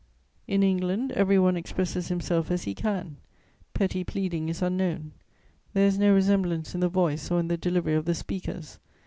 In England, every one expresses himself as he can; petty pleading is unknown; there is no resemblance in the voice or in the delivery of the speakers.